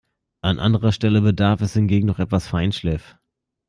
An anderer Stelle bedarf es hingegen noch etwas Feinschliff.